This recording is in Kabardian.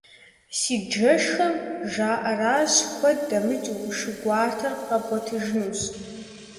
Си джэшхэм жаӀэращ: куэд дэмыкӀыу, шы гуартэр къэвгъуэтыжынущ.